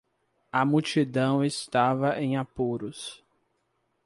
A multidão estava em apuros.